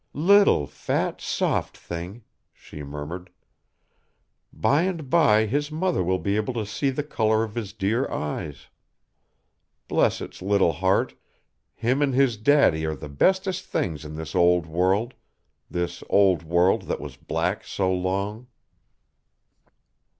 "Little, fat, soft thing," she murmured. "By and by his mother will be able to see the color of his dear eyes. Bless its little heart him and his daddy are the bestest things in this old world this old world that was black so long."